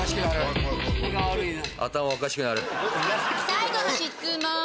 最後の質問。